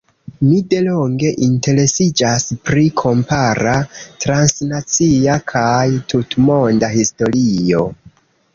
Mi delonge interesiĝas pri kompara, transnacia kaj tutmonda historio.